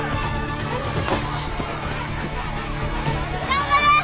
頑張れ！